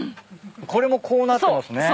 これもこうなってますね。